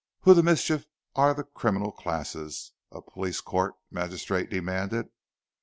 "Who the mischief are the criminal classes?" a police court magistrate demanded.